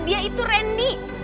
dia itu randy